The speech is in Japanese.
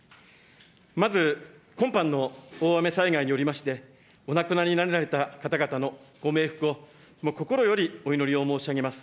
まず今般の大雨災害によりまして、お亡くなりになられた方々のご冥福を、心よりお祈りを申し上げます。